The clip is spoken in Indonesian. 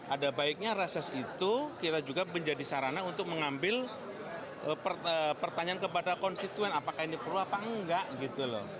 ada baiknya reses itu kita juga menjadi sarana untuk mengambil pertanyaan kepada konstituen apakah ini perlu apa enggak gitu loh